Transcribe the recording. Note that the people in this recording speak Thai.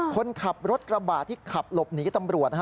คนขับรถกระบะที่ขับหลบหนีตำรวจ